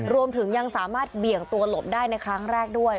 รวมถึงยังสามารถเบี่ยงตัวหลบได้ในครั้งแรกด้วย